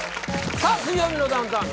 さあ「水曜日のダウンタウン」